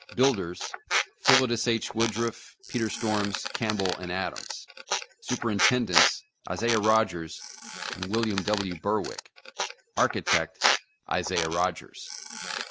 BUILDERS : Philetus H. Woodruff, Peter Storms, Campbell & Adams. SUPERINTENDENTS : Isaiah Rogers and William W. Burwick. ARCHITECT : Isaiah Rogers.'